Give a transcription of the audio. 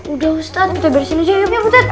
udah ustadz kita beresin aja ayo ayo ustadz